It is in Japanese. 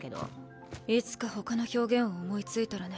いつか他の表現を思いついたらね。